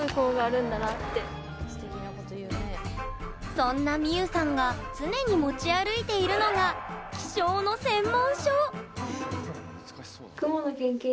そんな、みゆさんが常に持ち歩いているのが気象の専門書！